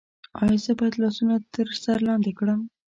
ایا زه باید لاسونه تر سر لاندې کړم؟